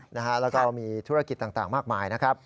แล้วก็มีธุรกิจต่างมากมายนะครับ